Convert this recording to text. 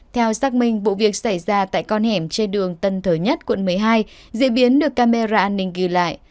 theo xác minh vụ việc xảy ra tại con hẻm trên đường tân thời nhất quận một mươi hai diễn biến được camera an ninh ghi lại